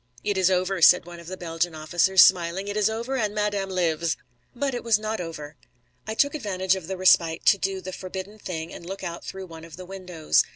"It is over," said one of the Belgian officers, smiling. "It is over, and madame lives!" But it was not over. I took advantage of the respite to do the forbidden thing and look out through one of the windows.